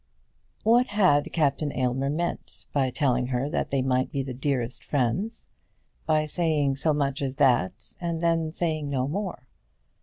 What had Captain Aylmer meant by telling her that they might be the dearest friends by saying so much as that, and then saying no more?